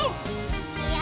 いくよ！